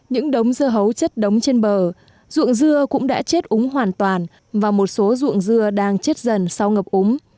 những đống dưa hấu chất đóng trên bờ ruộng dưa cũng đã chết úng hoàn toàn và một số ruộng dưa đang chết dần sau ngập úng